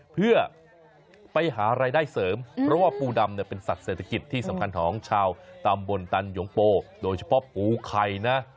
เพื่อไปหารายได้เสริมเพราะว่าปูดำเนี่ยเป็นสัตว์เศรษฐกิจที่สำคัญของชาวตำบลตันหยงโปโดยเฉพาะปูไข่นะ